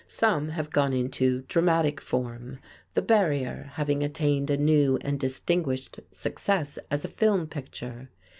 Some have gone into dramatic form, "The Barrier" having attained a new and distinguished success as a film picture.